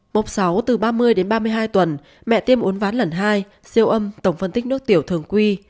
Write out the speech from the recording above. bóp sáu từ ba mươi đến ba mươi hai tuần mẹ tiêm uốn ván lần hai siêu âm tổng phân tích nước tiểu thường quy